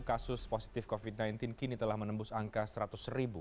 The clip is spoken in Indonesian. kasus positif covid sembilan belas kini telah menembus angka seratus ribu